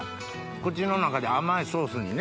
口の中で甘いソースにね